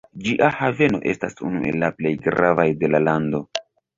Ĝia haveno estas unu el la plej gravaj de la lando.